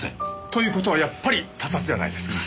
という事はやっぱり他殺じゃないですか。